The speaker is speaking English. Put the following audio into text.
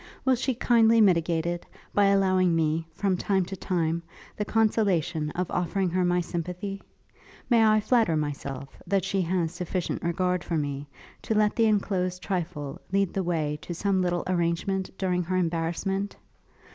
Will she kindly mitigate it, by allowing me, from time to time, the consolation of offering her my sympathy? May I flatter myself that she has sufficient regard for me, to let the enclosed trifle lead the way to some little arrangement during her embarrassment?